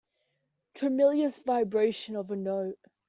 Tremulous vibration of a note.